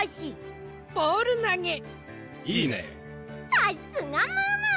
さっすがムームー！